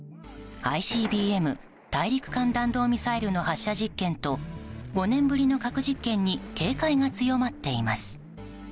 ＩＣＢＭ・大陸間弾道ミサイルの発射実験と５年ぶりの核実験に警戒が強まっています。